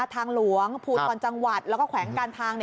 ทางหลวงภูทรจังหวัดแล้วก็แขวงการทาง